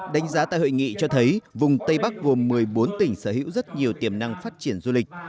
đánh giá tại hội nghị cho thấy vùng tây bắc gồm một mươi bốn tỉnh sở hữu rất nhiều tiềm năng phát triển du lịch